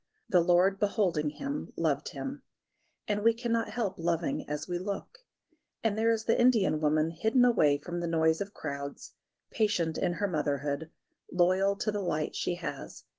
"The Lord beholding him loved him," and we cannot help loving as we look. And there is the Indian woman hidden away from the noise of crowds, patient in her motherhood, loyal to the light she has.